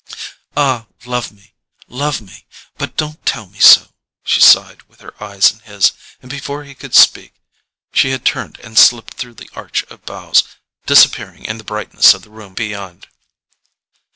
"Ah, love me, love me—but don't tell me so!" she sighed with her eyes in his; and before he could speak she had turned and slipped through the arch of boughs, disappearing in the brightness of the room beyond.